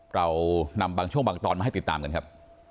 เรานำบางช่วงบางตอนมาให้ติดตามกันครับ